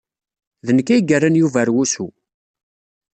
D nekk ay yerran Yuba ɣer wusu.